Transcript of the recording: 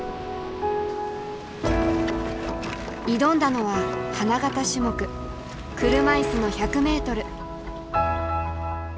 挑んだのは花形種目車いすの１００ｍ。